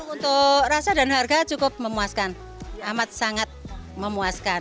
untuk rasa dan harga cukup memuaskan amat sangat memuaskan